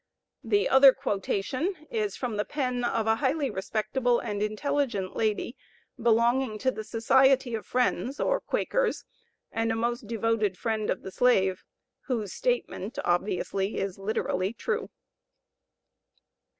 The other quotation is from the pen of a highly respectable and intelligent lady, belonging to the Society of Friends, or Quakers, and a most devoted friend of the slave, whose statement obviously is literally true.